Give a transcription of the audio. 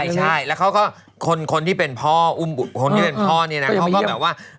ใช่แล้วเขาก็คนที่เป็นพ่ออุ้มคนที่เป็นพ่อเนี่ยนะเขาก็แบบว่า